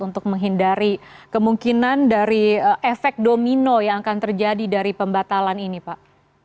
untuk menghindari kemungkinan dari efek domino yang akan terjadi dari pembatalan ini pak